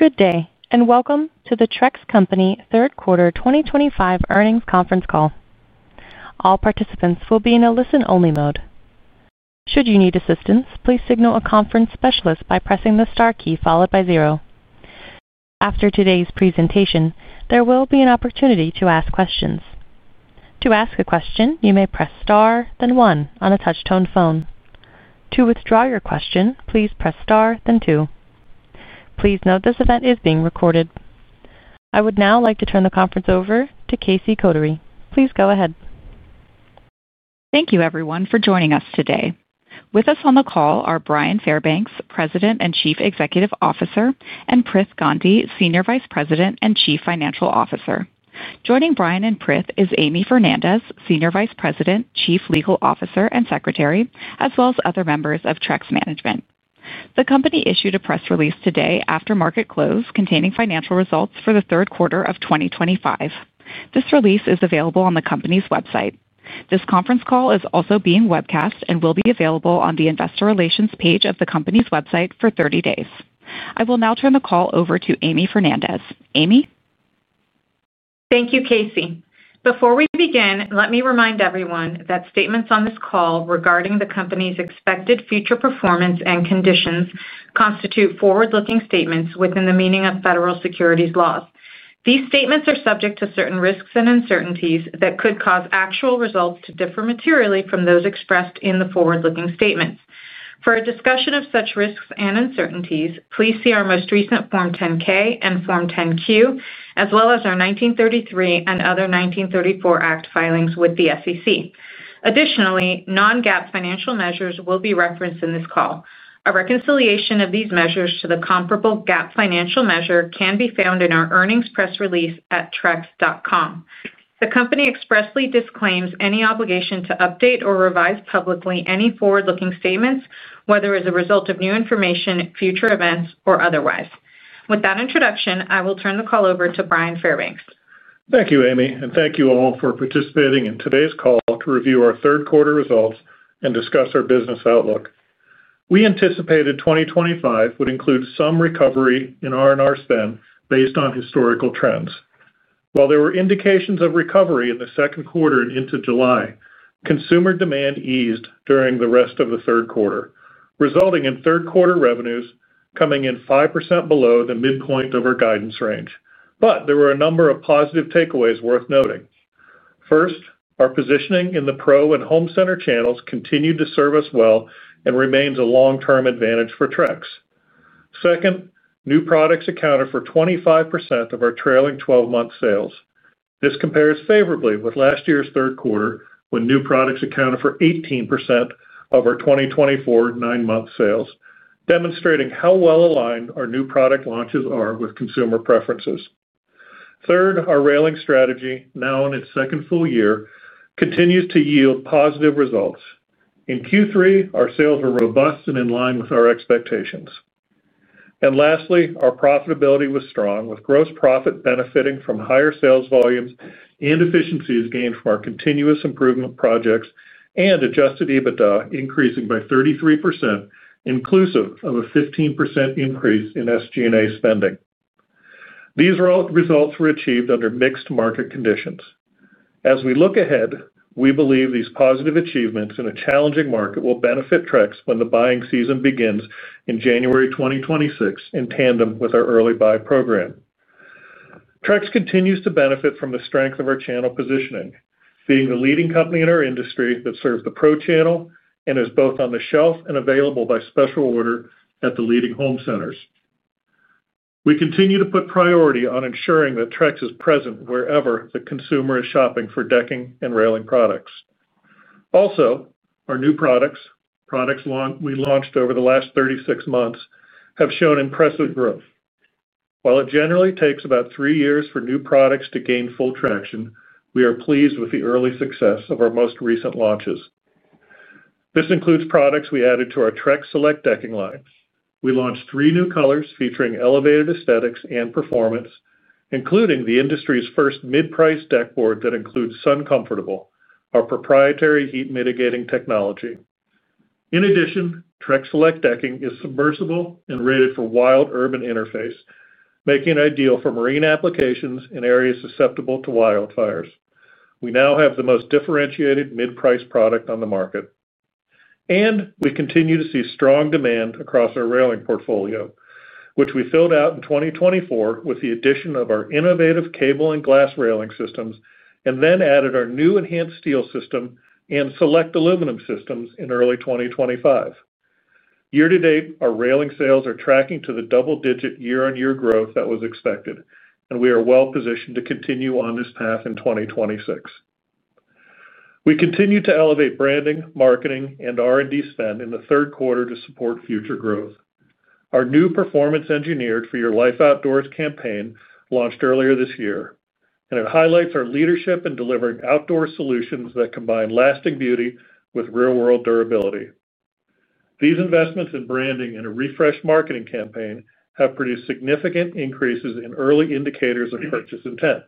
Good day, and welcome to the Trex Company third quarter 2025 earnings conference call. All participants will be in a listen-only mode. Should you need assistance, please signal a conference specialist by pressing the star key followed by zero. After today's presentation, there will be an opportunity to ask questions. To ask a question, you may press star, then one, on a touch-tone phone. To withdraw your question, please press star, then two. Please note this event is being recorded. I would now like to turn the conference over to Casey Kotary. Please go ahead. Thank you, everyone, for joining us today. With us on the call are Bryan Fairbanks, President and Chief Executive Officer, and Prith Gandhi, Senior Vice President and Chief Financial Officer. Joining Bryan and Prith is Amy Fernandez, Senior Vice President, Chief Legal Officer, and Secretary, as well as other members of Trex management. The company issued a press release today after market close containing financial results for the third quarter of 2025. This release is available on the company's website. This conference call is also being webcast and will be available on the investor relations page of the company's website for 30 days. I will now turn the call over to Amy Fernandez. Amy? Thank you, Casey. Before we begin, let me remind everyone that statements on this call regarding the company's expected future performance and conditions constitute forward-looking statements within the meaning of federal securities laws. These statements are subject to certain risks and uncertainties that could cause actual results to differ materially from those expressed in the forward-looking statements. For a discussion of such risks and uncertainties, please see our most recent Form 10-K and Form 10-Q, as well as our 1933 and other 1934 Act filings with the SEC. Additionally, non-GAAP financial measures will be referenced in this call. A reconciliation of these measures to the comparable GAAP financial measure can be found in our earnings press release at trex.com. The company expressly disclaims any obligation to update or revise publicly any forward-looking statements, whether as a result of new information, future events, or otherwise. With that introduction, I will turn the call over to Bryan Fairbanks. Thank you, Amy, and thank you all for participating in today's call to review our third quarter results and discuss our business outlook. We anticipated 2025 would include some recovery in R&R spend based on historical trends. While there were indications of recovery in the second quarter and into July, consumer demand eased during the rest of the third quarter, resulting in third quarter revenues coming in 5% below the midpoint of our guidance range. But there were a number of positive takeaways worth noting. First, our positioning in the pro and home center channels continued to serve us well and remains a long-term advantage for Trex. Second, new products accounted for 25% of our trailing 12-month sales. This compares favorably with last year's third quarter, when new products accounted for 18% of our 2024 nine-month sales, demonstrating how well aligned our new product launches are with consumer preferences. Third, our railing strategy, now in its second full year, continues to yield positive results. In Q3, our sales were robust and in line with our expectations. And lastly, our profitability was strong, with gross profit benefiting from higher sales volumes and efficiencies gained from our continuous improvement projects and adjusted EBITDA increasing by 33%, inclusive of a 15% increase in SG&A spending. These results were achieved under mixed market conditions. As we look ahead, we believe these positive achievements in a challenging market will benefit Trex when the buying season begins in January 2026, in tandem with our early buy program. Trex continues to benefit from the strength of our channel positioning, being the leading company in our industry that serves the pro channel and is both on the shelf and available by special order at the leading home centers. We continue to put priority on ensuring that Trex is present wherever the consumer is shopping for decking and railing products. Also, our new products, products we launched over the last 36 months, have shown impressive growth. While it generally takes about three years for new products to gain full traction, we are pleased with the early success of our most recent launches. This includes products we added to our Trex Select decking line. We launched three new colors featuring elevated aesthetics and performance, including the industry's first mid-price deck board that includes SunComfortable, our proprietary heat mitigating technology. In addition, Trex Select decking is submersible and rated for Wild Urban Interface, making it ideal for marine applications in areas susceptible to wildfires. We now have the most differentiated mid-price product on the market. And we continue to see strong demand across our railing portfolio, which we filled out in 2024 with the addition of our innovative cable and glass railing systems and then added our new Enhance steel system and Select aluminum systems in early 2025. Year to date, our railing sales are tracking to the double-digit year-on-year growth that was expected, and we are well positioned to continue on this path in 2026. We continue to elevate branding, marketing, and R&D spend in the third quarter to support future growth. Our new Performance-Engineered for your life outdoors campaign launched earlier this year, and it highlights our leadership in delivering outdoor solutions that combine lasting beauty with real-world durability. These investments in branding and a refreshed marketing campaign have produced significant increases in early indicators of purchase intent.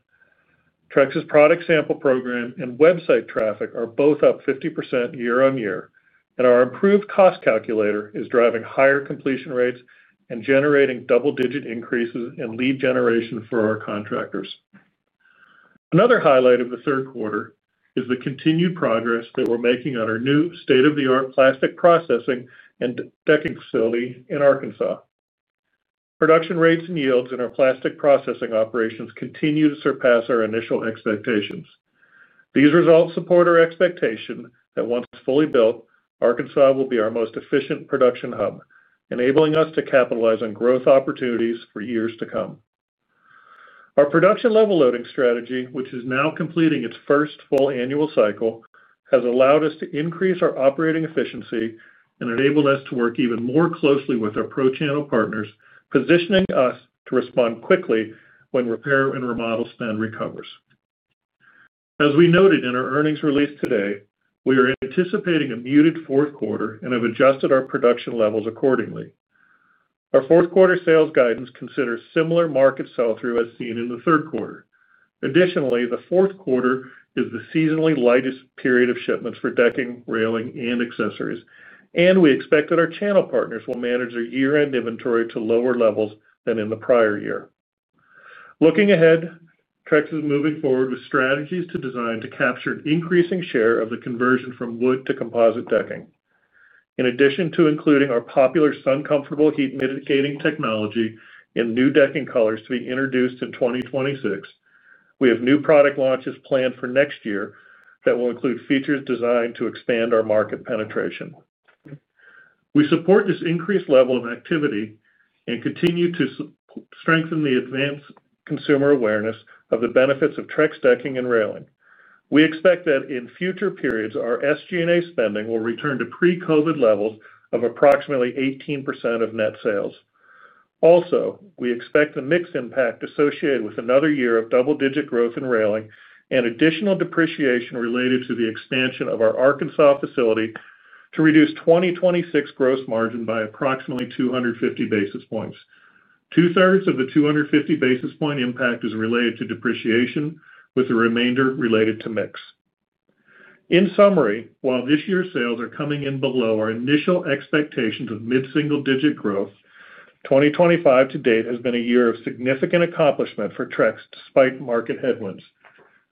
Trex's product sample program and website traffic are both up 50% year-on-year, and our improved cost calculator is driving higher completion rates and generating double-digit increases in lead generation for our contractors. Another highlight of the third quarter is the continued progress that we're making at our new state-of-the-art plastic processing and decking facility in Arkansas. Production rates and yields in our plastic processing operations continue to surpass our initial expectations. These results support our expectation that once fully built, Arkansas will be our most efficient production hub, enabling us to capitalize on growth opportunities for years to come. Our level loading strategy, which is now completing its first full annual cycle, has allowed us to increase our operating efficiency and enabled us to work even more closely with our pro channel partners, positioning us to respond quickly when repair and remodel spend recovers. As we noted in our earnings release today, we are anticipating a muted fourth quarter and have adjusted our production levels accordingly. Our fourth quarter sales guidance considers similar market sell-through as seen in the third quarter. Additionally, the fourth quarter is the seasonally lightest period of shipments for decking, railing, and accessories, and we expect that our channel partners will manage their year-end inventory to lower levels than in the prior year. Looking ahead, Trex is moving forward with strategies to design to capture an increasing share of the conversion from wood to composite decking. In addition to including our popular SunComfortable heat mitigating technology and new decking colors to be introduced in 2026, we have new product launches planned for next year that will include features designed to expand our market penetration. We support this increased level of activity and continue to strengthen the advanced consumer awareness of the benefits of Trex decking and railing. We expect that in future periods, our SG&A spending will return to pre-COVID levels of approximately 18% of net sales. Also, we expect the mixed impact associated with another year of double-digit growth in railing and additional depreciation related to the expansion of our Arkansas facility to reduce 2026 gross margin by approximately 250 basis points. Two-thirds of the 250 basis point impact is related to depreciation, with the remainder related to mix. In summary, while this year's sales are coming in below our initial expectations of mid-single-digit growth, 2025 to date has been a year of significant accomplishment for Trex despite market headwinds.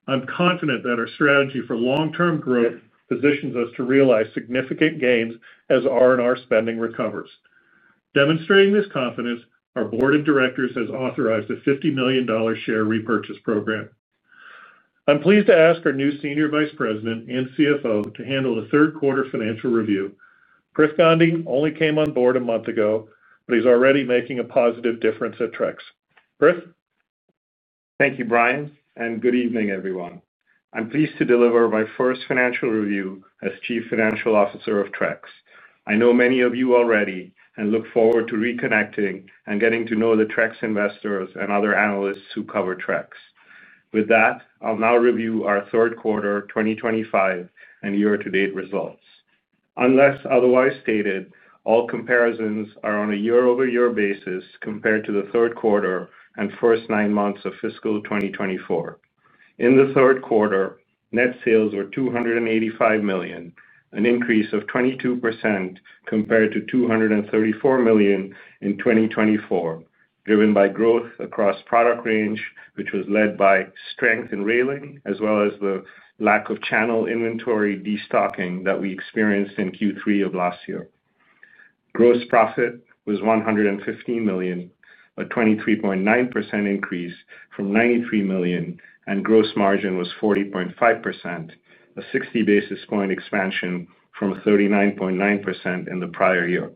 I'm confident that our strategy for long-term growth positions us to realize significant gains as R&R spending recovers. Demonstrating this confidence, our Board of Directors has authorized a $50 million share repurchase program. I'm pleased to ask our new Senior Vice President and CFO to handle the third quarter financial review. Prith Gandhi only came on board a month ago, but he's already making a positive difference at Trex. Prith? Thank you, Bryan, and good evening, everyone. I'm pleased to deliver my first financial review as Chief Financial Officer of Trex. I know many of you already and look forward to reconnecting and getting to know the Trex investors and other analysts who cover Trex. With that, I'll now review our third quarter 2025 and year-to-date results. Unless otherwise stated, all comparisons are on a year-over-year basis compared to the third quarter and first nine months of fiscal 2024. In the third quarter, net sales were $285 million, an increase of 22% compared to $234 million in 2024, driven by growth across product range, which was led by strength in railing, as well as the lack of channel inventory destocking that we experienced in Q3 of last year. Gross profit was $115 million, a 23.9% increase from $93 million, and gross margin was 40.5%, a 60 basis point expansion from 39.9% in the prior year.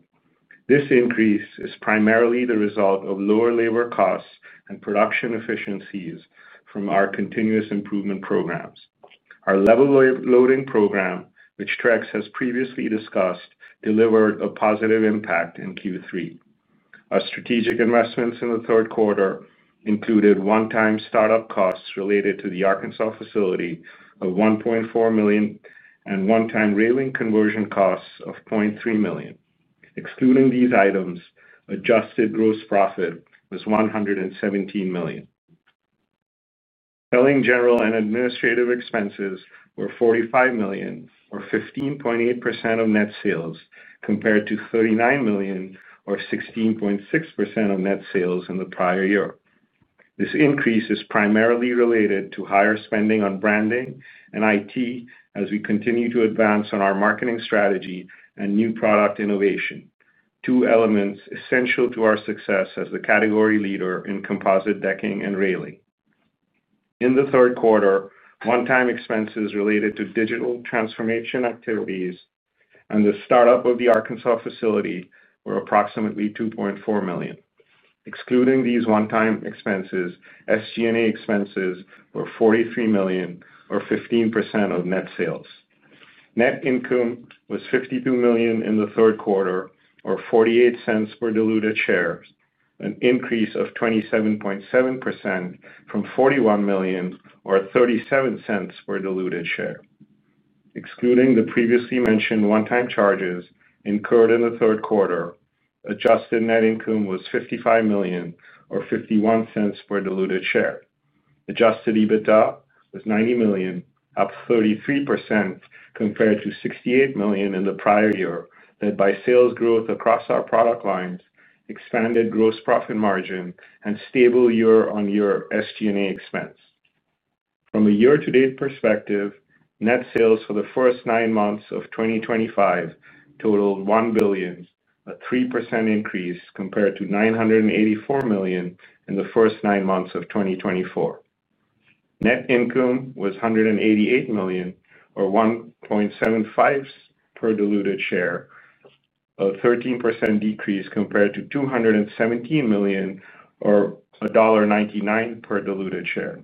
This increase is primarily the result of lower labor costs and production efficiencies from our continuous improvement programs. Our level loading program, which Trex has previously discussed, delivered a positive impact in Q3. Our strategic investments in the third quarter included one-time startup costs related to the Arkansas facility of $1.4 million and one-time railing conversion costs of $0.3 million. Excluding these items, adjusted gross profit was $117 million. Selling general and administrative expenses were $45 million, or 15.8% of net sales, compared to $39 million, or 16.6% of net sales in the prior year. This increase is primarily related to higher spending on branding and IT as we continue to advance on our marketing strategy and new product innovation, two elements essential to our success as the category leader in composite decking and railing. In the third quarter, one-time expenses related to digital transformation activities and the startup of the Arkansas facility were approximately $2.4 million. Excluding these one-time expenses, SG&A expenses were $43 million, or 15% of net sales. Net income was $52 million in the third quarter, or $0.48 per diluted share, an increase of 27.7% from $41 million, or $0.37 per diluted share. Excluding the previously mentioned one-time charges incurred in the third quarter, adjusted net income was $55 million, or $0.51 per diluted share. Adjusted EBITDA was $90 million, up 33% compared to $68 million in the prior year, led by sales growth across our product lines, expanded gross profit margin, and stable year-on-year SG&A expense. From a year-to-date perspective, net sales for the first nine months of 2025 totaled $1 billion, a 3% increase compared to $984 million in the first nine months of 2024. Net income was $188 million, or $1.75 per diluted share. A 13% decrease compared to $217 million, or $1.99 per diluted share.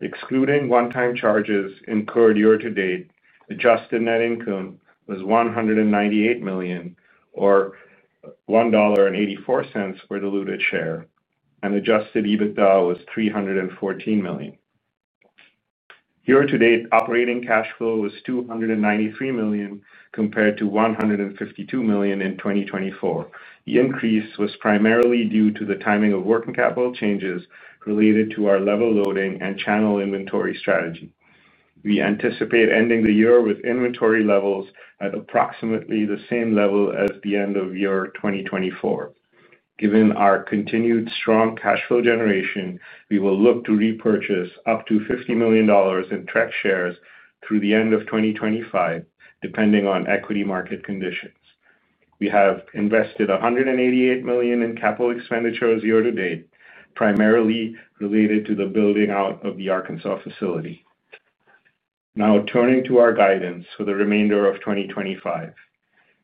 Excluding one-time charges incurred year-to-date, adjusted net income was $198 million, or $1.84 per diluted share, and adjusted EBITDA was $314 million. Year-to-date operating cash flow was $293 million compared to $152 million in 2024. The increase was primarily due to the timing of working capital changes related to our level loading and channel inventory strategy. We anticipate ending the year with inventory levels at approximately the same level as the end of year 2024. Given our continued strong cash flow generation, we will look to repurchase up to $50 million in Trex shares through the end of 2025, depending on equity market conditions. We have invested $188 million in capital expenditure year-to-date, primarily related to the building out of the Arkansas facility. Now, turning to our guidance for the remainder of 2025.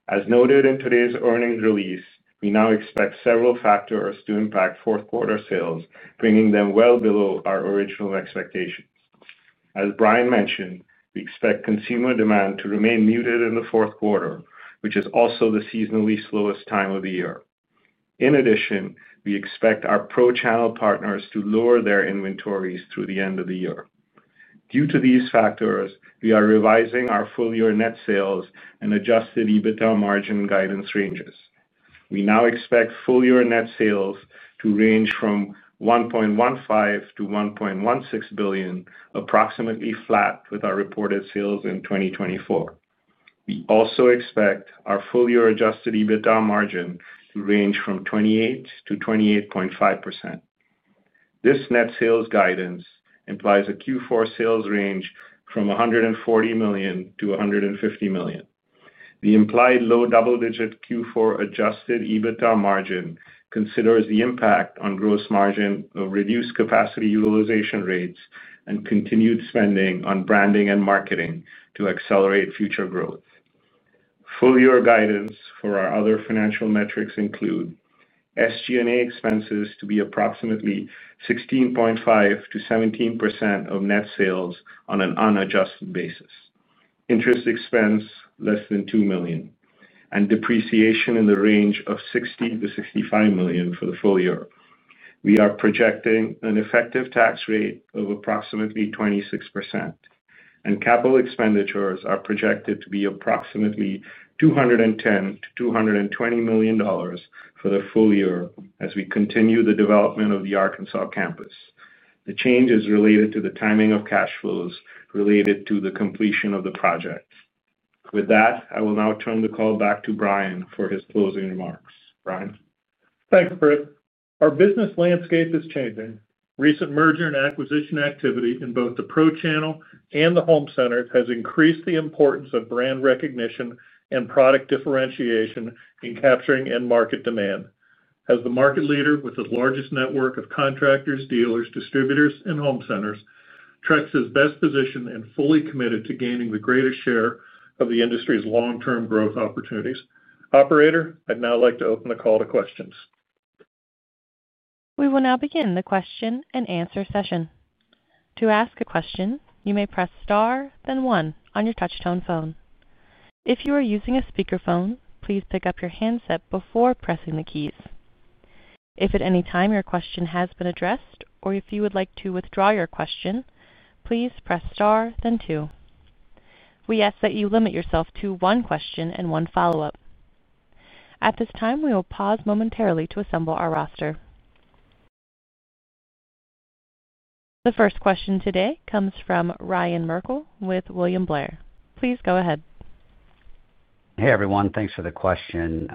As noted in today's earnings release, we now expect several factors to impact fourth quarter sales, bringing them well below our original expectations. As Bryan mentioned, we expect consumer demand to remain muted in the fourth quarter, which is also the seasonally slowest time of the year. In addition, we expect our pro channel partners to lower their inventories through the end of the year. Due to these factors, we are revising our full year net sales and adjusted EBITDA margin guidance ranges. We now expect full year net sales to range from $1.15 billion-$1.16 billion, approximately flat with our reported sales in 2024. We also expect our full year adjusted EBITDA margin to range from 28%-28.5%. This net sales guidance implies a Q4 sales range from $140 million-$150 million. The implied low double-digit Q4 adjusted EBITDA margin considers the impact on gross margin of reduced capacity utilization rates and continued spending on branding and marketing to accelerate future growth. Full year guidance for our other financial metrics include. SG&A expenses to be approximately 16.5%-17% of net sales on an unadjusted basis, interest expense less than $2 million, and depreciation in the range of $60 million-$65 million for the full year. We are projecting an effective tax rate of approximately 26%. And capital expenditures are projected to be approximately $210 million-$220 million for the full year as we continue the development of the Arkansas campus. The change is related to the timing of cash flows related to the completion of the projects. With that, I will now turn the call back to Bryan for his closing remarks. Bryan. Thanks, Prith. Our business landscape is changing. Recent merger and acquisition activity in both the pro channel and the home centers has increased the importance of brand recognition and product differentiation in capturing end market demand. As the market leader with the largest network of contractors, dealers, distributors, and home centers, Trex is best positioned and fully committed to gaining the greatest share of the industry's long-term growth opportunities. Operator, I'd now like to open the call to questions. We will now begin the question and answer session. To ask a question, you may press star, then one, on your touch-tone phone. If you are using a speakerphone, please pick up your handset before pressing the keys. If at any time your question has been addressed or if you would like to withdraw your question, please press star, then two. We ask that you limit yourself to one question and one follow-up. At this time, we will pause momentarily to assemble our roster. The first question today comes from Ryan Merkel with William Blair. Please go ahead. Hey, everyone. Thanks for the question.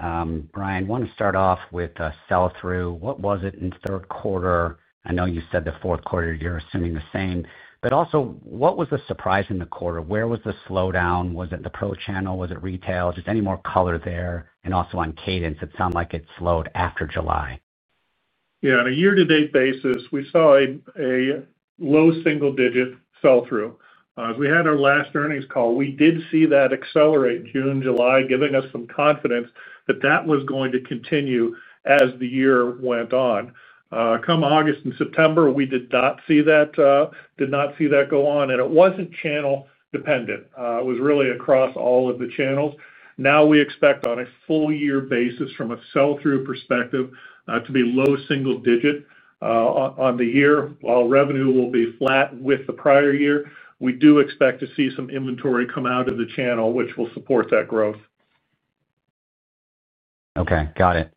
Bryan, I want to start off with a sell-through. What was it in the third quarter? I know you said the fourth quarter, you're assuming the same. But also, what was the surprise in the quarter? Where was the slowdown? Was it the pro channel? Was it retail? Just any more color there? And also on cadence, it sounded like it slowed after July. Yeah. On a year-to-date basis, we saw a low single-digit sell-through. As we had our last earnings call, we did see that accelerate June, July, giving us some confidence that that was going to continue as the year went on. Come August and September, we did not see that. Did not see that go on. And it wasn't channel dependent. It was really across all of the channels. Now we expect on a full year basis from a sell-through perspective to be low single-digit. On the year, while revenue will be flat with the prior year, we do expect to see some inventory come out of the channel, which will support that growth. Okay. Got it.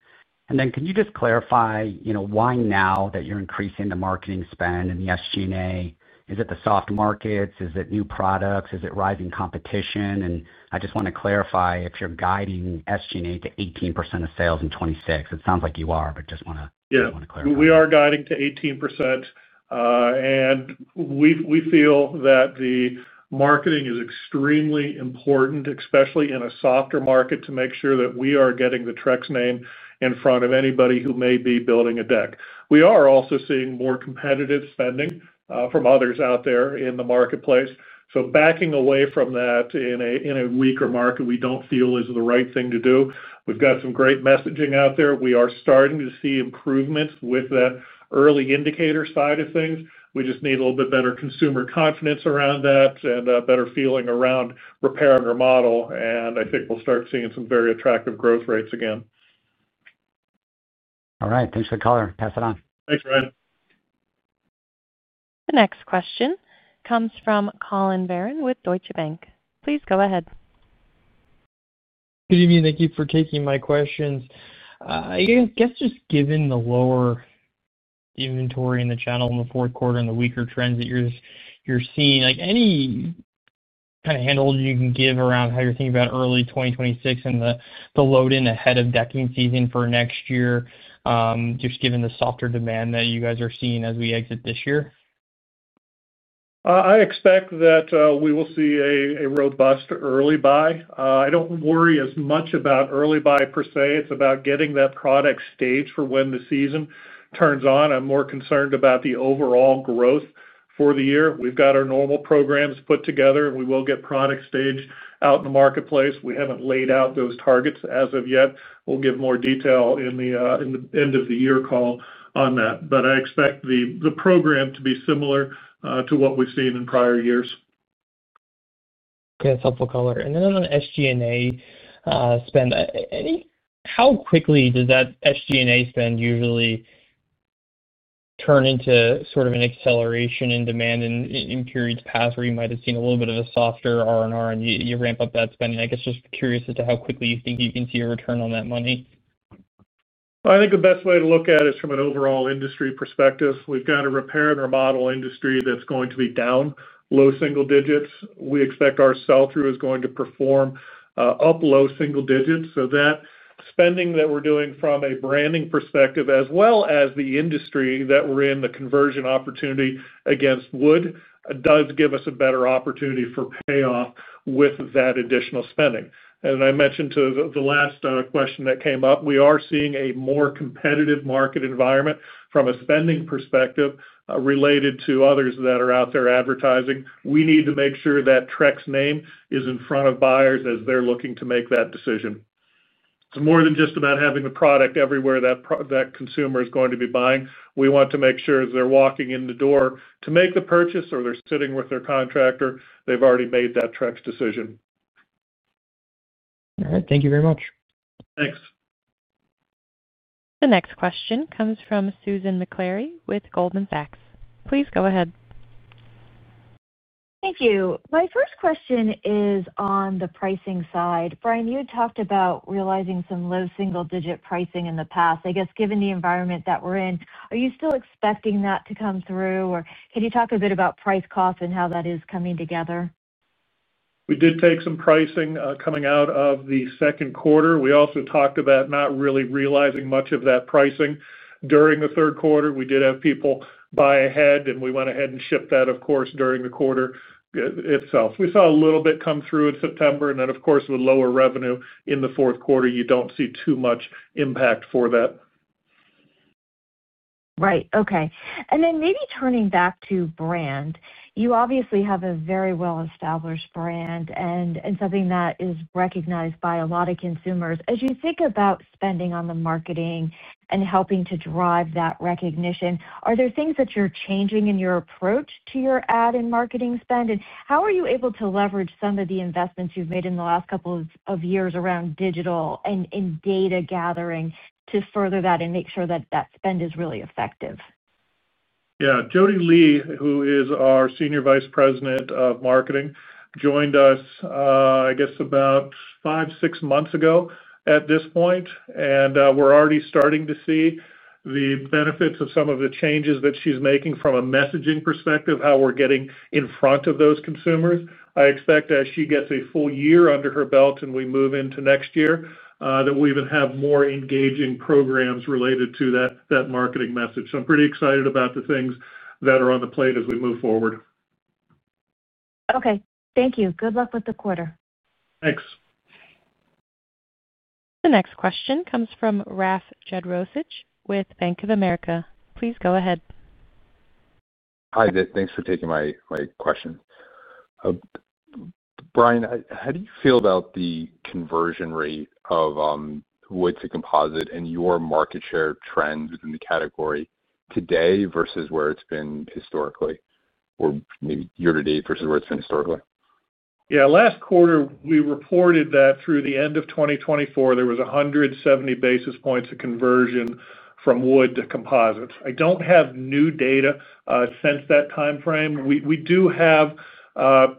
And then could you just clarify why now that you're increasing the marketing spend and the SG&A? Is it the soft markets? Is it new products? Is it rising competition? And I just want to clarify if you're guiding SG&A to 18% of sales in 2026. It sounds like you are, but just want to clarify. Yeah. We are guiding to 18%. And we feel that the marketing is extremely important, especially in a softer market, to make sure that we are getting the Trex name in front of anybody who may be building a deck. We are also seeing more competitive spending from others out there in the marketplace. So backing away from that in a weaker market, we don't feel is the right thing to do. We've got some great messaging out there. We are starting to see improvements with that early indicator side of things. We just need a little bit better consumer confidence around that and a better feeling around repair and remodel. And I think we'll start seeing some very attractive growth rates again. All right. Thanks for the caller. Pass it on. Thanks, Ryan. The next question comes from Collin Verron with Deutsche Bank. Please go ahead. Good evening. Thank you for taking my questions. I guess just given the lower inventory in the channel in the fourth quarter and the weaker trends that you're seeing, any kind of handle you can give around how you're thinking about early 2026 and the load-in ahead of decking season for next year, just given the softer demand that you guys are seeing as we exit this year? I expect that we will see a robust early buy. I don't worry as much about early buy per se. It's about getting that product staged for when the season turns on. I'm more concerned about the overall growth for the year. We've got our normal programs put together, and we will get product staged out in the marketplace. We haven't laid out those targets as of yet. We'll give more detail in the end of the year call on that. But I expect the program to be similar to what we've seen in prior years. Okay. That's helpful color. And then on the SG&A spend, how quickly does that SG&A spend usually turn into sort of an acceleration in demand in periods past where you might have seen a little bit of a softer R&R and you ramp up that spending? I guess just curious as to how quickly you think you can see a return on that money. I think the best way to look at it is from an overall industry perspective. We've got a repair and remodel industry that's going to be down low single digits. We expect our sell-through is going to perform up low single digits. So that spending that we're doing from a branding perspective, as well as the industry that we're in, the conversion opportunity against wood, does give us a better opportunity for payoff with that additional spending. And I mentioned to the last question that came up, we are seeing a more competitive market environment from a spending perspective related to others that are out there advertising. We need to make sure that Trex name is in front of buyers as they're looking to make that decision. It's more than just about having the product everywhere that consumer is going to be buying. We want to make sure as they're walking in the door to make the purchase or they're sitting with their contractor, they've already made that Trex decision. All right. Thank you very much. Thanks. The next question comes from Susan Maklari with Goldman Sachs. Please go ahead. Thank you. My first question is on the pricing side. Bryan, you had talked about realizing some low single-digit pricing in the past. I guess given the environment that we're in, are you still expecting that to come through? Or can you talk a bit about price cost and how that is coming together? We did take some pricing coming out of the second quarter. We also talked about not really realizing much of that pricing during the third quarter. We did have people buy ahead, and we went ahead and shipped that, of course, during the quarter itself. We saw a little bit come through in September. And then, of course, with lower revenue in the fourth quarter, you don't see too much impact for that. Right. Okay. And then maybe turning back to brand, you obviously have a very well-established brand and something that is recognized by a lot of consumers. As you think about spending on the marketing and helping to drive that recognition, are there things that you're changing in your approach to your ad and marketing spend? And how are you able to leverage some of the investments you've made in the last couple of years around digital and data gathering to further that and make sure that that spend is really effective? Yeah. Jodi Lee, who is our Senior Vice President of Marketing, joined us, I guess, about five, six months ago at this point. And we're already starting to see the benefits of some of the changes that she's making from a messaging perspective, how we're getting in front of those consumers. I expect as she gets a full year under her belt and we move into next year, that we even have more engaging programs related to that marketing message. So I'm pretty excited about the things that are on the plate as we move forward. Okay. Thank you. Good luck with the quarter. Thanks. The next question comes from Rafe Jadrosich with Bank of America. Please go ahead. Hi, thanks for taking my question. Bryan, how do you feel about the conversion rate of wood to composite and your market share trend within the category today versus where it's been historically or maybe year-to-date versus where it's been historically? Yeah. Last quarter, we reported that through the end of 2024, there was 170 basis points of conversion from wood to composite. I don't have new data since that time frame. We do have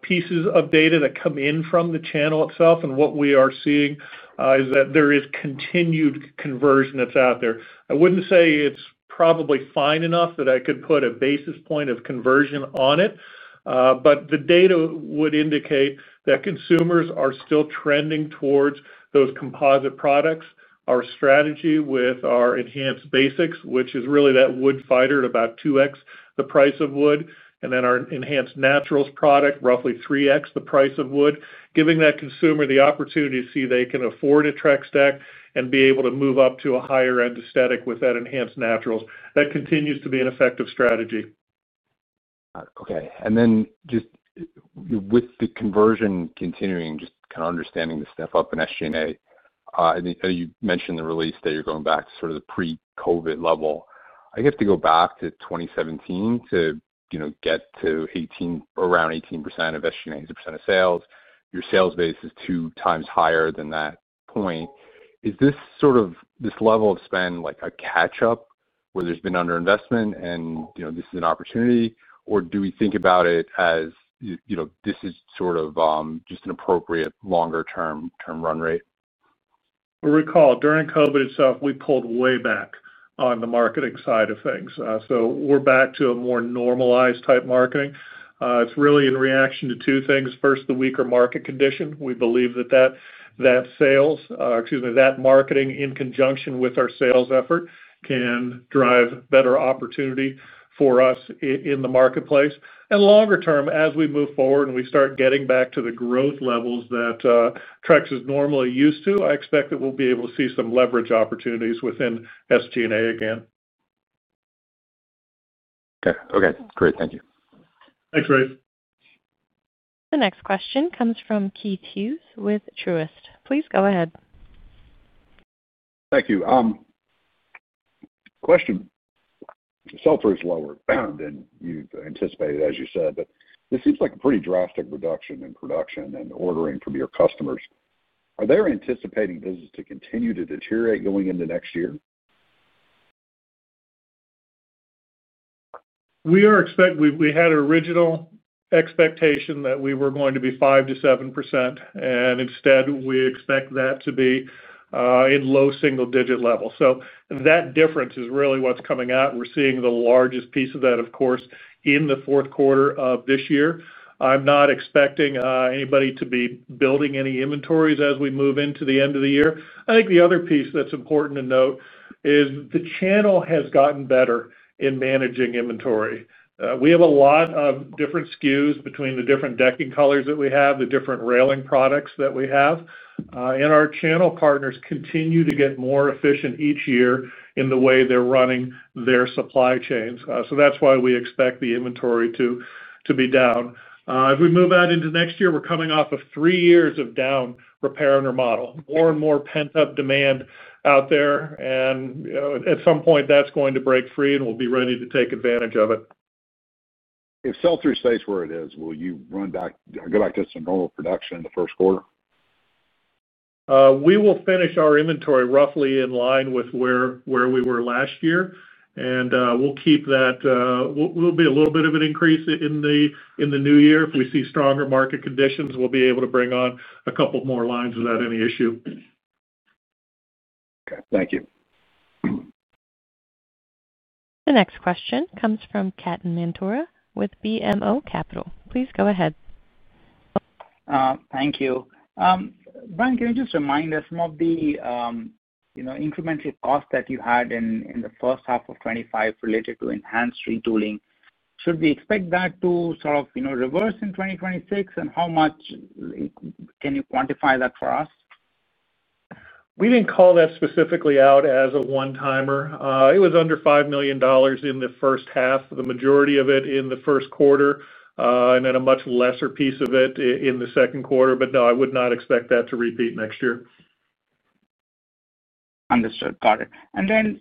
pieces of data that come in from the channel itself. And what we are seeing is that there is continued conversion that's out there. I wouldn't say it's probably fine enough that I could put a basis point of conversion on it. But the data would indicate that consumers are still trending towards those composite products. Our strategy with our Enhance Basics, which is really that wood fighter at about 2x the price of wood, and then our Enhance Naturals product, roughly 3x the price of wood, giving that consumer the opportunity to see they can afford a Trex deck and be able to move up to a higher end aesthetic with that Enhance Naturals. That continues to be an effective strategy. Okay. And then just with the conversion continuing, just kind of understanding the step-up in SG&A, you mentioned the release that you're going back to sort of the pre-COVID level. I guess to go back to 2017 to get to around 18% of SG&A as a percent of sales, your sales base is two times higher than that point. Is this sort of this level of spend like a catch-up where there's been underinvestment and this is an opportunity? Or do we think about it as this is sort of just an appropriate longer-term run rate? Well, recall, during COVID itself, we pulled way back on the marketing side of things. So we're back to a more normalized type marketing. It's really in reaction to two things. First, the weaker market condition. We believe that. Sales, excuse me, that marketing in conjunction with our sales effort can drive better opportunity for us in the marketplace. And longer term, as we move forward and we start getting back to the growth levels that Trex is normally used to, I expect that we'll be able to see some leverage opportunities within SG&A again. Okay. Okay. Great. Thank you. Thanks, Rafe. The next question comes from Keith Hughes with Truist. Please go ahead. Thank you. Question. The sell-through is lower than you anticipated, as you said, but this seems like a pretty drastic reduction in production and ordering from your customers. Are they anticipating business to continue to deteriorate going into next year? We had an original expectation that we were going to be 5%-7%, and instead we expect that to be in low single-digit levels, so that difference is really what's coming out. We're seeing the largest piece of that, of course, in the fourth quarter of this year. I'm not expecting anybody to be building any inventories as we move into the end of the year. I think the other piece that's important to note is the channel has gotten better in managing inventory. We have a lot of different SKUs between the different decking colors that we have, the different railing products that we have, and our channel partners continue to get more efficient each year in the way they're running their supply chains, so that's why we expect the inventory to be down. As we move out into next year, we're coming off of three years of down repair and remodel. More and more pent-up demand out there, and at some point, that's going to break free, and we'll be ready to take advantage of it. If sell-through stays where it is, will you go back to some normal production in the first quarter? We will finish our inventory roughly in line with where we were last year, and we'll keep that. We'll be a little bit of an increase in the new year. If we see stronger market conditions, we'll be able to bring on a couple more lines without any issue. Okay. Thank you. The next question comes from Ketan Mamtora with BMO Capital. Please go ahead. Thank you. Bryan, can you just remind us some of the incremental costs that you had in the first half of 2025 related to enhanced retooling? Should we expect that to sort of reverse in 2026? And how much can you quantify that for us? We didn't call that specifically out as a one-timer. It was under $5 million in the first half, the majority of it in the first quarter, and then a much lesser piece of it in the second quarter. But no, I would not expect that to repeat next year. Understood. Got it. And then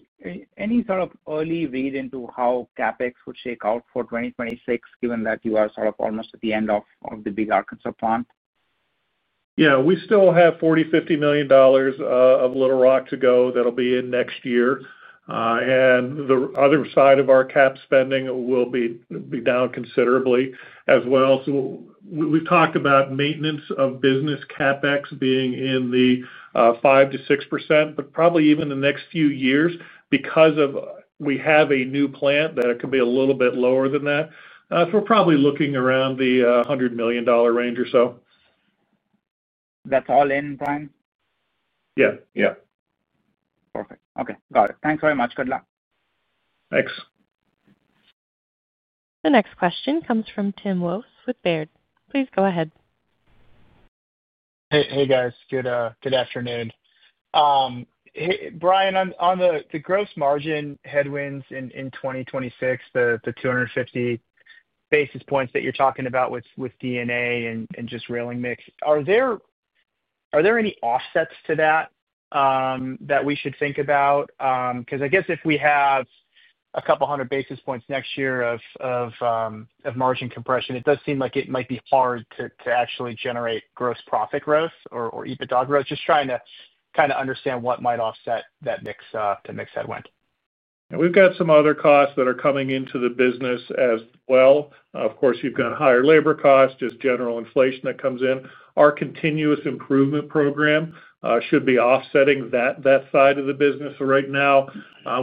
any sort of early read into how CapEx would shake out for 2026, given that you are sort of almost at the end of the big Arkansas plant? Yeah. We still have $40 million-$50 million of Little Rock to go. That'll be in next year. And the other side of our CapEx spending will be down considerably as well. So we've talked about maintenance of business CapEx being in the 5%-6%, but probably even the next few years because we have a new plant that it could be a little bit lower than that. So we're probably looking around the $100 million range or so. That's all in, Bryan? Yeah. Yeah. Perfect. Okay. Got it. Thanks very much, good luck. Thanks. The next question comes from Tim Wojs with Baird. Please go ahead. Hey, guys. Good afternoon. Bryan, on the gross margin headwinds in 2026, the 250 basis points that you're talking about with decking and just railing mix, are there any offsets to that that we should think about? Because I guess if we have a couple hundred basis points next year of margin compression, it does seem like it might be hard to actually generate gross profit growth or EBITDA growth. Just trying to kind of understand what might offset that mix headwind. We've got some other costs that are coming into the business as well. Of course, you've got higher labor costs, just general inflation that comes in. Our continuous improvement program should be offsetting that side of the business right now.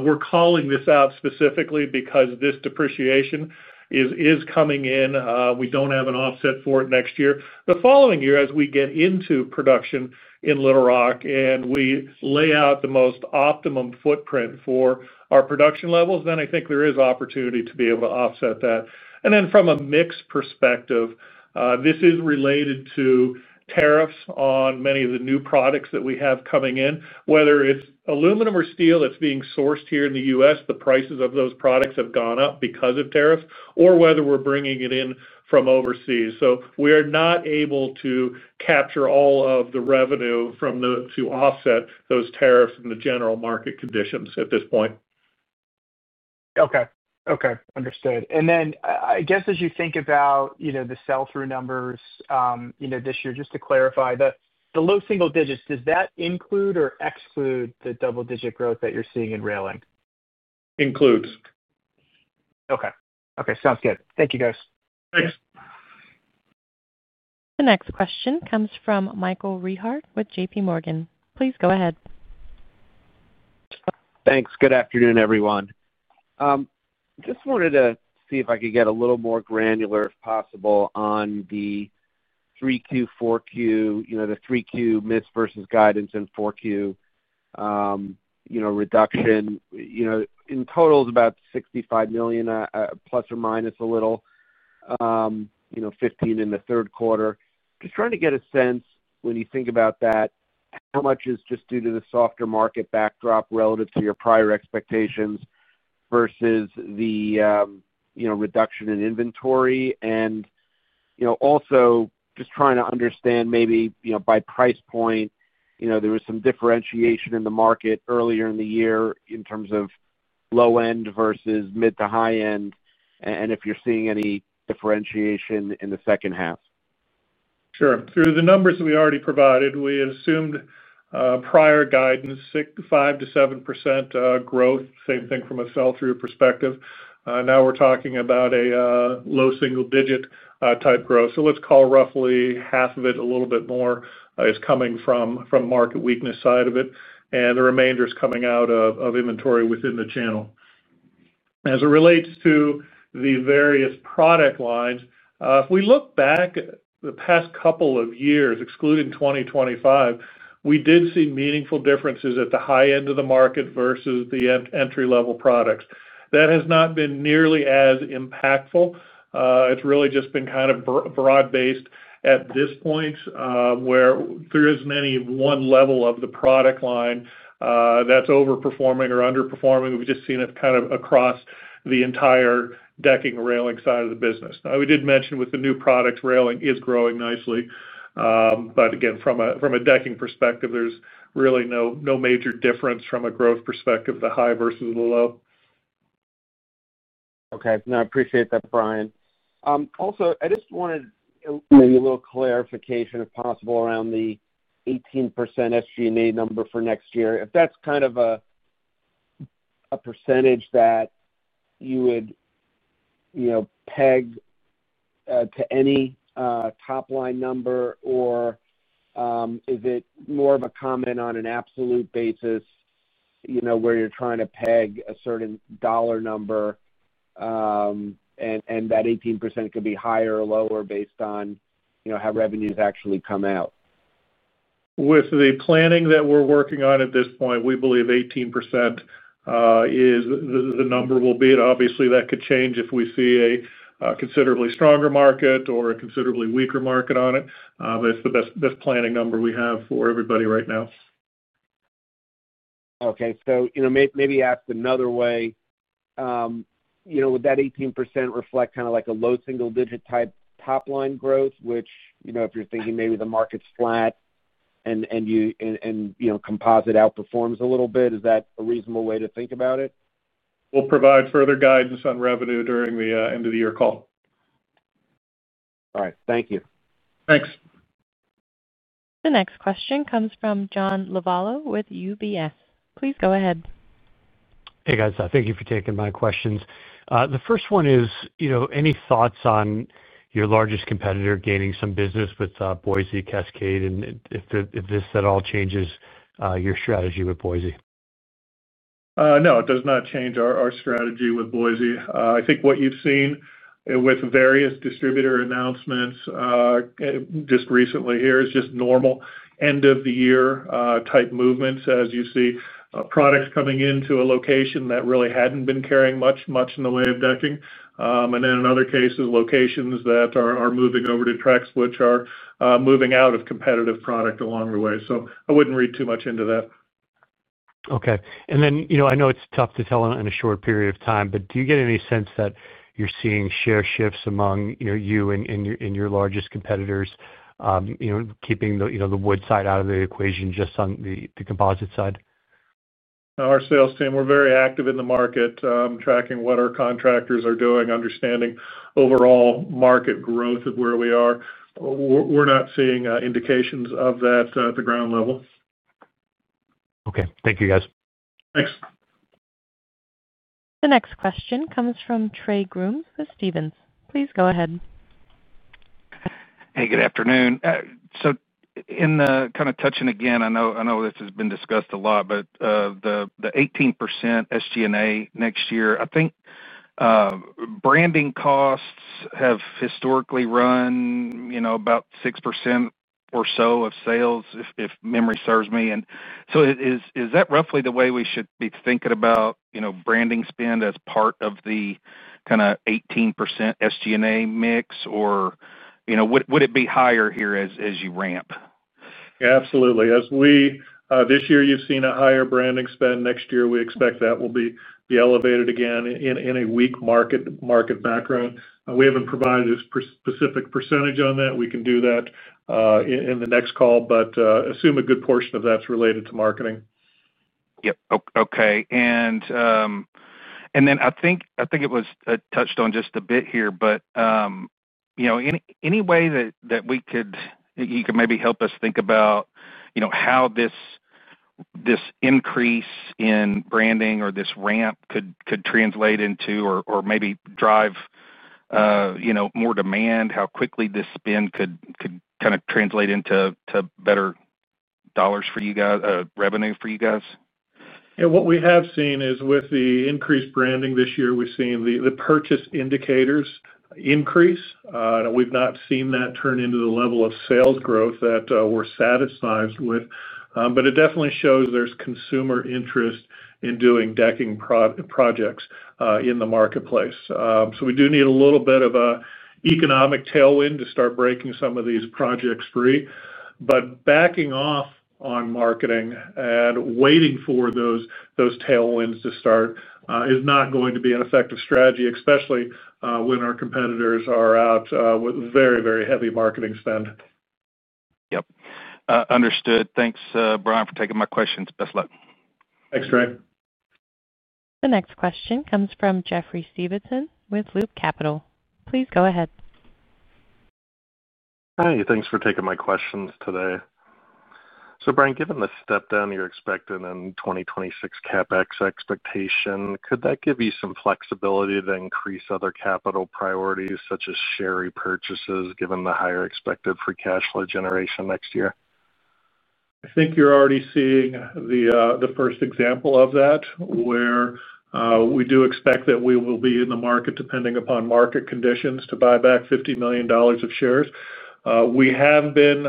We're calling this out specifically because this depreciation is coming in. We don't have an offset for it next year. The following year, as we get into production in Little Rock and we lay out the most optimum footprint for our production levels, then I think there is opportunity to be able to offset that. And then from a mix perspective, this is related to tariffs on many of the new products that we have coming in. Whether it's aluminum or steel that's being sourced here in the U.S., the prices of those products have gone up because of tariffs, or whether we're bringing it in from overseas. So we are not able to capture all of the revenue to offset those tariffs and the general market conditions at this point. Okay. Okay. Understood, and then I guess as you think about the sell-through numbers this year, just to clarify, the low single digits, does that include or exclude the double-digit growth that you're seeing in railing? Includes. Okay. Okay. Sounds good. Thank you, guys. Thanks. The next question comes from Michael Rehaut with JPMorgan. Please go ahead. Thanks. Good afternoon, everyone. Just wanted to see if I could get a little more granular, if possible, on the 3Q, 4Q, the 3Q miss versus guidance, and 4Q reduction. In total, it's about $65 million plus or minus a little, $15 million in the third quarter. Just trying to get a sense when you think about that. How much is just due to the softer market backdrop relative to your prior expectations versus the reduction in inventory? And also just trying to understand maybe by price point, there was some differentiation in the market earlier in the year in terms of low-end versus mid to high-end, and if you're seeing any differentiation in the second half. Sure. Through the numbers that we already provided, we had assumed prior guidance, 5%-7% growth, same thing from a sell-through perspective. Now we're talking about a low single-digit type growth. So let's call roughly half of it a little bit more is coming from market weakness side of it. And the remainder is coming out of inventory within the channel. As it relates to the various product lines, if we look back the past couple of years, excluding 2025, we did see meaningful differences at the high end of the market versus the entry-level products. That has not been nearly as impactful. It's really just been kind of broad-based at this point. Where there isn't any one level of the product line that's overperforming or underperforming. We've just seen it kind of across the entire decking and railing side of the business. Now, we did mention with the new products, railing is growing nicely. But again, from a decking perspective, there's really no major difference from a growth perspective, the high versus the low. Okay. No, I appreciate that, Bryan. Also, I just wanted maybe a little clarification, if possible, around the 18% SG&A number for next year. If that's kind of a percentage that you would peg to any top-line number, or is it more of a comment on an absolute basis where you're trying to peg a certain dollar number? And that 18% could be higher or lower based on how revenues actually come out? With the planning that we're working on at this point, we believe 18% is the number we'll be. Obviously, that could change if we see a considerably stronger market or a considerably weaker market on it. But it's the best planning number we have for everybody right now. Okay. So maybe asked another way. Would that 18% reflect kind of like a low single-digit type top-line growth, which if you're thinking maybe the market's flat, and composite outperforms a little bit, is that a reasonable way to think about it? We'll provide further guidance on revenue during the end-of-the-year call. All right. Thank you. Thanks. The next question comes from John Lovallo with UBS. Please go ahead. Hey, guys. Thank you for taking my questions. The first one is any thoughts on your largest competitor gaining some business with Boise Cascade and if this at all changes your strategy with Boise? No, it does not change our strategy with Boise. I think what you've seen with various distributor announcements just recently here is just normal end-of-the-year type movements, as you see products coming into a location that really hadn't been carrying much in the way of decking. And then in other cases, locations that are moving over to Trex, which are moving out of competitive product along the way. So I wouldn't read too much into that. Okay. And then I know it's tough to tell in a short period of time, but do you get any sense that you're seeing share shifts among you and your largest competitors, keeping the wood side out of the equation just on the composite side? Our sales team, we're very active in the market, tracking what our contractors are doing, understanding overall market growth of where we are. We're not seeing indications of that at the ground level. Okay. Thank you, guys. Thanks. The next question comes from Trey Grooms with Stephens. Please go ahead. Hey, good afternoon. So in kind of touching again, I know this has been discussed a lot, but the 18% SG&A next year, I think. Branding costs have historically run about 6% or so of sales, if memory serves me. And so is that roughly the way we should be thinking about branding spend as part of the kind of 18% SG&A mix? Or would it be higher here as you ramp? Absolutely. This year, you've seen a higher branding spend. Next year, we expect that will be elevated again in a weak market background. We haven't provided a specific percentage on that. We can do that in the next call, but assume a good portion of that's related to marketing. Yep. Okay. And then I think it was touched on just a bit here, but any way that you could maybe help us think about how this increase in branding or this ramp could translate into or maybe drive more demand, how quickly this spend could kind of translate into better dollars for you guys, revenue for you guys? Yeah. What we have seen is with the increased branding this year, we've seen the purchase indicators increase. We've not seen that turn into the level of sales growth that we're satisfied with. But it definitely shows there's consumer interest in doing decking projects in the marketplace. So we do need a little bit of an economic tailwind to start breaking some of these projects free. But backing off on marketing and waiting for those tailwinds to start is not going to be an effective strategy, especially when our competitors are out with very, very heavy marketing spend. Yep. Understood. Thanks, Bryan, for taking my questions. Best of luck. Thanks, Trey. The next question comes from Jeffrey Stevenson with Loop Capital. Please go ahead. Hi. Thanks for taking my questions today. So, Bryan, given the step-down you're expecting in 2026 CapEx expectation, could that give you some flexibility to increase other capital priorities such as share repurchases given the higher expected free cash flow generation next year? I think you're already seeing the first example of that, where we do expect that we will be in the market depending upon market conditions to buy back $50 million of shares. We have been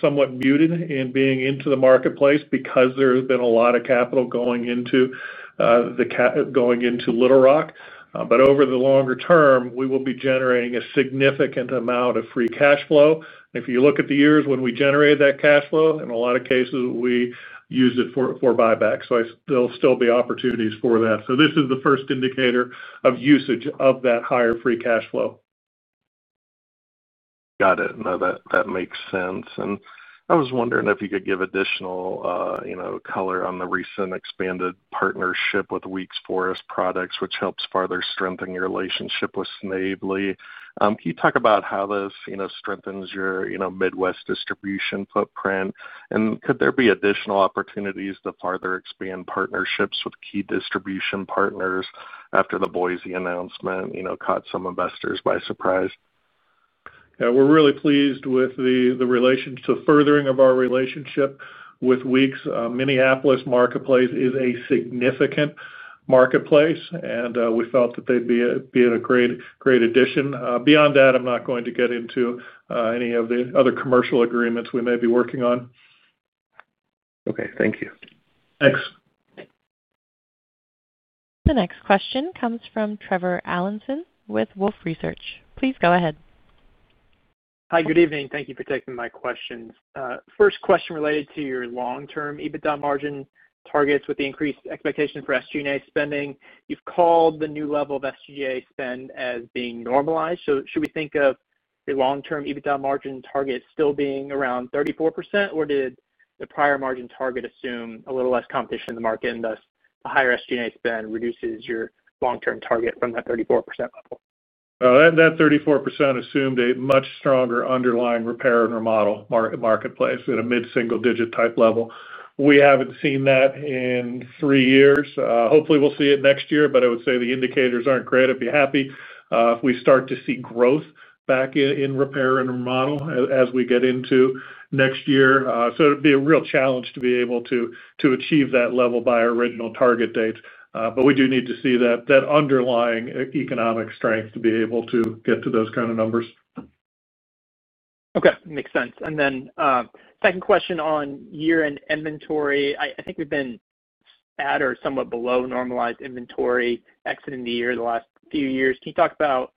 somewhat muted in being into the marketplace because there has been a lot of capital going into Little Rock, but over the longer term, we will be generating a significant amount of free cash flow, and if you look at the years when we generated that cash flow, in a lot of cases, we used it for buyback. So there'll still be opportunities for that. So this is the first indicator of usage of that higher free cash flow. Got it. No, that makes sense. And I was wondering if you could give additional color on the recent expanded partnership with Weekes Forest Products, which helps further strengthen your relationship with Snavely. Can you talk about how this strengthens your Midwest distribution footprint? And could there be additional opportunities to further expand partnerships with key distribution partners after the Boise announcement caught some investors by surprise? Yeah. We're really pleased with the furthering of our relationship with Weekes. Minneapolis marketplace is a significant marketplace, and we felt that they'd be a great addition. Beyond that, I'm not going to get into any of the other commercial agreements we may be working on. Okay. Thank you. Thanks. The next question comes from Trevor Allinson with Wolfe Research. Please go ahead. Hi. Good evening. Thank you for taking my questions. First question related to your long-term EBITDA margin targets with the increased expectation for SG&A spending. You've called the new level of SG&A spend as being normalized. So should we think of the long-term EBITDA margin target still being around 34%, or did the prior margin target assume a little less competition in the market and thus a higher SG&A spend reduces your long-term target from that 34% level? That 34% assumed a much stronger underlying repair and remodel marketplace at a mid-single-digit type level. We haven't seen that in three years. Hopefully, we'll see it next year, but I would say the indicators aren't great. I'd be happy if we start to see growth back in repair and remodel as we get into next year. So it'd be a real challenge to be able to achieve that level by original target dates. But we do need to see that underlying economic strength to be able to get to those kind of numbers. Okay. Makes sense. And then second question on year-end inventory. I think we've been at or somewhat below normalized inventory exiting the year the last few years. Can you talk about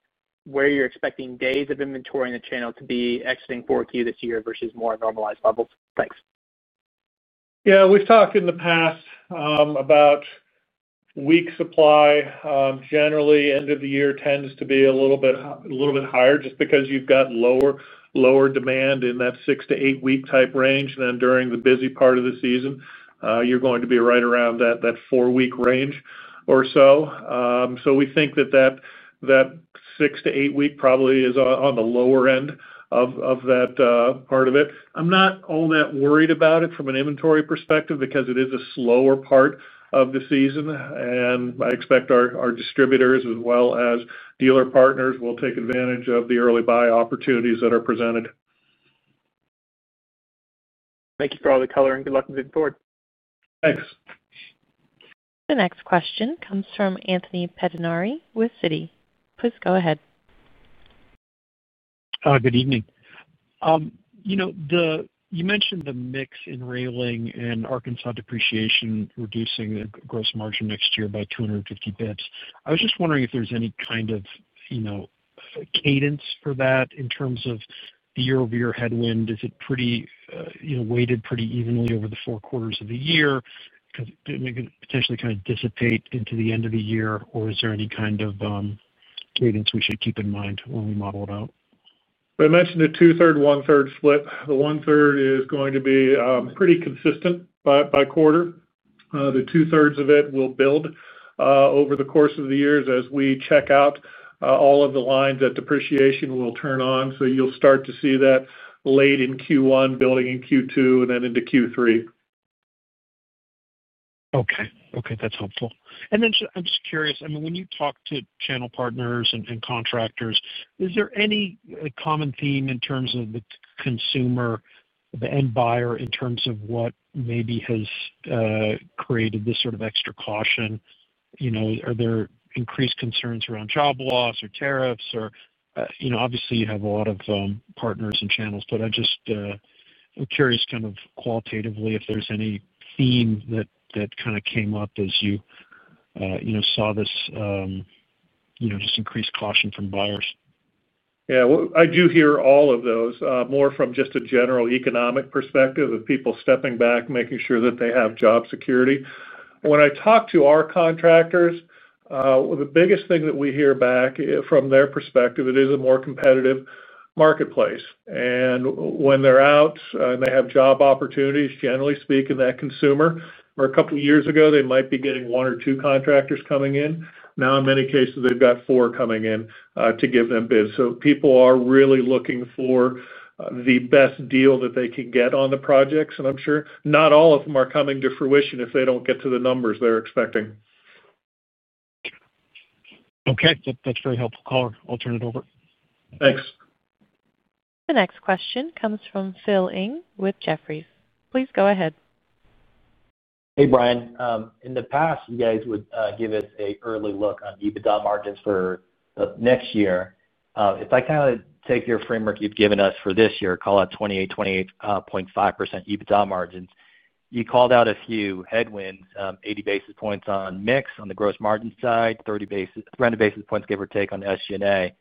where you're expecting days of inventory in the channel to be exiting 4Q this year versus more normalized levels? Thanks. Yeah. We've talked in the past about weeks supply. Generally, end of the year tends to be a little bit higher just because you've got lower demand in that six to eight-week type range, and then during the busy part of the season, you're going to be right around that four-week range or so, so we think that six to eight week probably is on the lower end of that part of it. I'm not all that worried about it from an inventory perspective because it is a slower part of the season, and I expect our distributors as well as dealer partners will take advantage of the early buy opportunities that are presented. Thank you for all the color and good luck moving forward. Thanks. The next question comes from Anthony Pettinari with Citi. Please go ahead. Good evening. You mentioned the mix in railing and Arkansas depreciation reducing the gross margin next year by 250 bps. I was just wondering if there's any kind of cadence for that in terms of the year-over-year headwind. Is it weighted pretty evenly over the four quarters of the year? Could it potentially kind of dissipate into the end of the year? Or is there any kind of cadence we should keep in mind when we model it out? I mentioned a 2/3, 1/3 flip. The 1/3 is going to be pretty consistent by quarter. The 2/3 of it will build over the course of the years as we check out all of the lines that depreciation will turn on, so you'll start to see that late in Q1, building in Q2, and then into Q3. Okay. Okay. That's helpful. And then I'm just curious. I mean, when you talk to channel partners and contractors, is there any common theme in terms of the consumer, the end buyer, in terms of what maybe has created this sort of extra caution? Are there increased concerns around job loss or tariffs? Obviously, you have a lot of partners and channels, but I'm just curious kind of qualitatively if there's any theme that kind of came up as you saw this just increased caution from buyers. Yeah. I do hear all of those, more from just a general economic perspective of people stepping back, making sure that they have job security. When I talk to our contractors, the biggest thing that we hear back from their perspective, it is a more competitive marketplace. And when they're out and they have job opportunities, generally speaking, that consumer, where a couple of years ago, they might be getting one or two contractors coming in, now in many cases, they've got four coming in to give them bids. So people are really looking for the best deal that they can get on the projects. And I'm sure not all of them are coming to fruition if they don't get to the numbers they're expecting. Okay. That's very helpful color. I'll turn it over. Thanks. The next question comes from Phil Ng with Jefferies. Please go ahead. Hey, Bryan. In the past, you guys would give us an early look on EBITDA margins for next year. If I kind of take your framework you've given us for this year, call it 28.5% EBITDA margins, you called out a few headwinds, 80 basis points on mix, on the gross margin side, 30 rounding basis points, give or take, on SG&A.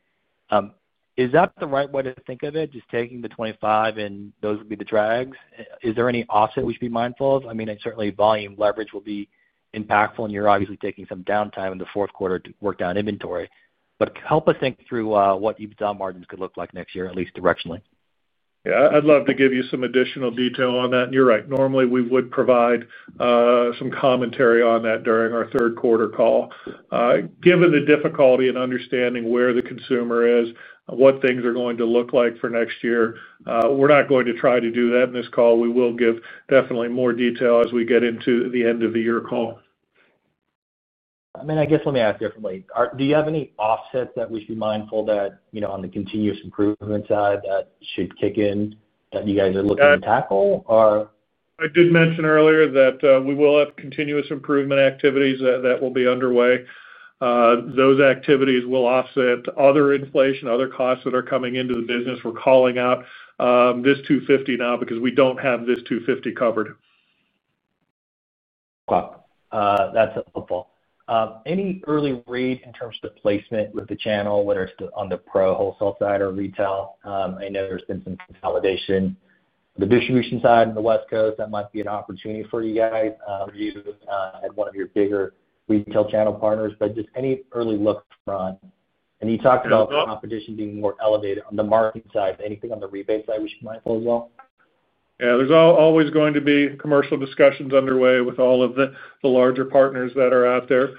Is that the right way to think of it, just taking the 25% and those would be the drags? Is there any offset we should be mindful of? I mean, certainly, volume leverage will be impactful, and you're obviously taking some downtime in the fourth quarter to work down inventory. But help us think through what EBITDA margins could look like next year, at least directionally. Yeah. I'd love to give you some additional detail on that, and you're right. Normally, we would provide some commentary on that during our third-quarter call. Given the difficulty in understanding where the consumer is, what things are going to look like for next year, we're not going to try to do that in this call. We will definitely give more detail as we get into the end-of-the-year call. I mean, I guess let me ask differently. Do you have any offsets that we should be mindful of on the continuous improvement side that should kick in that you guys are looking to tackle, or? I did mention earlier that we will have continuous improvement activities that will be underway. Those activities will offset other inflation, other costs that are coming into the business. We're calling out this 250 basis points now because we don't have this 250 basis points covered. That's helpful. Any early read in terms of the placement with the channel, whether it's on the pro wholesale side or retail? I know there's been some consolidation on the distribution side in the West Coast. That might be an opportunity for you guys. You had one of your bigger retail channel partners. But just any early look front? And you talked about competition being more elevated on the market side. Anything on the rebate side we should be mindful as well? Yeah. There's always going to be commercial discussions underway with all of the larger partners that are out there.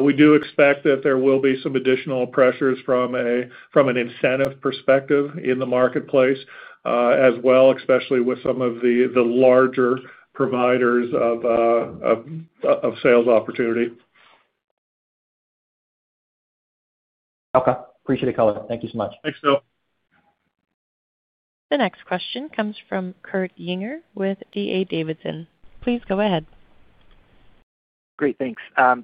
We do expect that there will be some additional pressures from an incentive perspective in the marketplace as well, especially with some of the larger providers of sales opportunity. Okay. Appreciate the color. Thank you so much. Thanks, Phil. The next question comes from Kurt Yinger with D.A. Davidson. Please go ahead. Great. Thanks.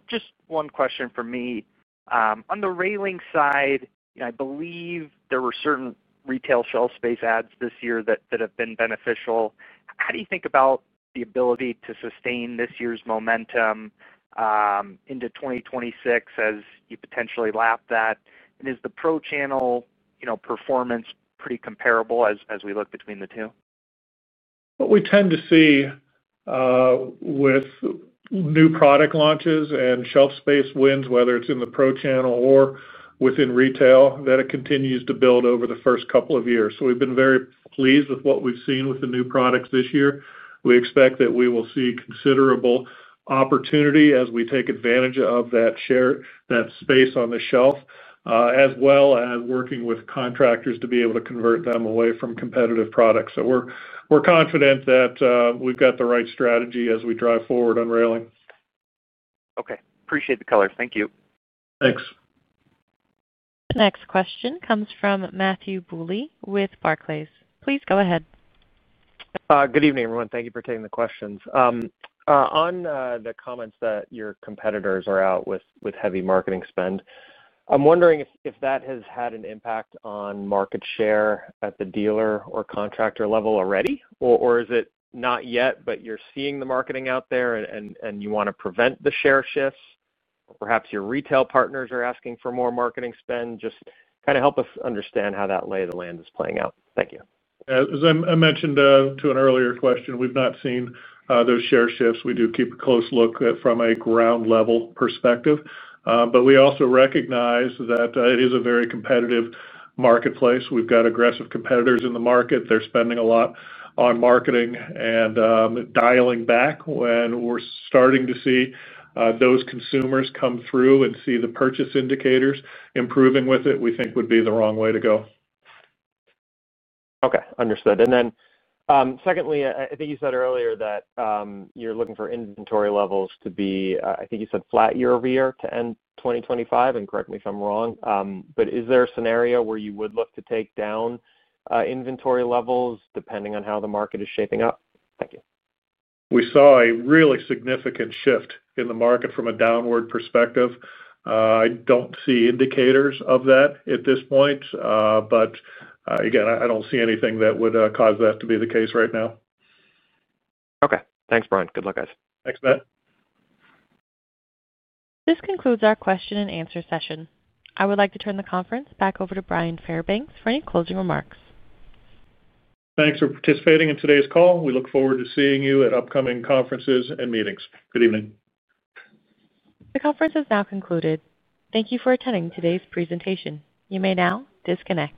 Just one question for me. On the railing side, I believe there were certain retail shelf space ads this year that have been beneficial. How do you think about the ability to sustain this year's momentum into 2026 as you potentially lap that? And is the pro channel performance pretty comparable as we look between the two? What we tend to see with new product launches and shelf space wins, whether it's in the pro channel or within retail, that it continues to build over the first couple of years, so we've been very pleased with what we've seen with the new products this year. We expect that we will see considerable opportunity as we take advantage of that space on the shelf, as well as working with contractors to be able to convert them away from competitive products, so we're confident that we've got the right strategy as we drive forward on railing. Okay. Appreciate the color. Thank you. Thanks. The next question comes from Matthew Bouley with Barclays. Please go ahead. Good evening, everyone. Thank you for taking the questions. On the comments that your competitors are out with heavy marketing spend, I'm wondering if that has had an impact on market share at the dealer or contractor level already? Or is it not yet, but you're seeing the marketing out there and you want to prevent the share shifts? Perhaps your retail partners are asking for more marketing spend. Just kind of help us understand how that lay of the land is playing out. Thank you. As I mentioned to an earlier question, we've not seen those share shifts. We do keep a close look from a ground-level perspective. But we also recognize that it is a very competitive marketplace. We've got aggressive competitors in the market. They're spending a lot on marketing, and dialing back when we're starting to see those consumers come through and see the purchase indicators improving with it, we think, would be the wrong way to go. Okay. Understood. And then secondly, I think you said earlier that you're looking for inventory levels to be—I think you said flat year-over-year to end 2025, and correct me if I'm wrong. But is there a scenario where you would look to take down inventory levels depending on how the market is shaping up? Thank you. We saw a really significant shift in the market from a downward perspective. I don't see indicators of that at this point. But again, I don't see anything that would cause that to be the case right now. Okay. Thanks, Bryan. Good luck, guys. Thanks, Matt. This concludes our question-and-answer session. I would like to turn the conference back over to Bryan Fairbanks for any closing remarks. Thanks for participating in today's call. We look forward to seeing you at upcoming conferences and meetings. Good evening. The conference is now concluded. Thank you for attending today's presentation. You may now disconnect.